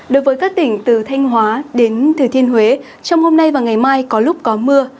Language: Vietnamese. đối với các tỉnh từ thanh hóa đến thừa thiên huế trong hôm nay và ngày mai có lúc có mưa